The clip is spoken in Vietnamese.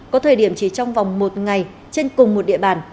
có thời điểm chỉ trong vòng một ngày trên cùng một địa bàn